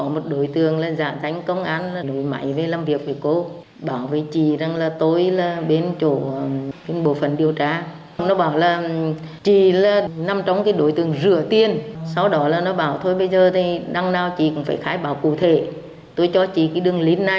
mặc dù rất cảnh giác xác minh lại các số điện thoại đã chiếm đoạt của người phụ nữ này hơn hai tỷ năm mươi triệu đồng